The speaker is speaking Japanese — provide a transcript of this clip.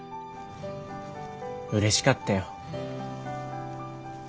うれしかったよ。